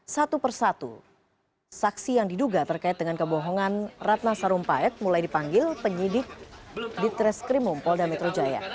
satu persatu saksi yang diduga terkait dengan kebohongan ratna sarumpait mulai dipanggil penyidik di treskrimum polda metro jaya